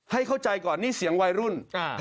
ให้เข้าใจก่อนนี่เสียงวัยรุ่น